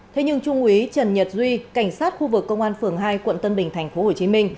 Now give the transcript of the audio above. thế nhưng trung úy trần nhật duy cảnh sát khu vực công an phường hai quận tân bình tp hcm